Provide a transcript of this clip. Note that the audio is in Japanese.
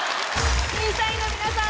⁉審査員の皆さん